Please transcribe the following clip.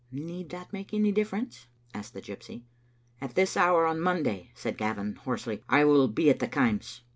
" Need that make any difference?" asked the gypsy, "At this hour on Monday," said Gavin, hoarsely, "I willbeattheKaims."